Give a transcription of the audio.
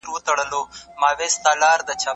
آس د بزګر په پرېکړه باندې پوه شوی و.